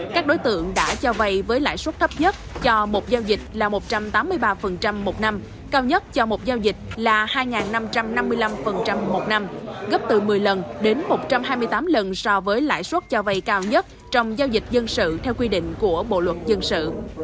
các đối tượng đã cho vay với lãi suất thấp nhất cho một giao dịch là một trăm tám mươi ba một năm cao nhất cho một giao dịch là hai năm trăm năm mươi năm một năm gấp từ một mươi lần đến một trăm hai mươi tám lần so với lãi suất cho vay cao nhất trong giao dịch dân sự theo quy định của bộ luật dân sự